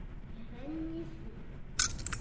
Glan yes-i.